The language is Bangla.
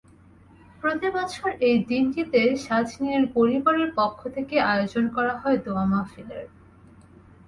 প্রতিবছর এই দিনটিতে শাজনীনের পরিবারের পক্ষ থেকে আয়োজন করা হয় দোয়া মাহফিলের।